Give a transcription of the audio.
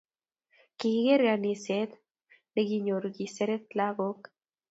Kikere Kaniset nekinyoru kiseret lakok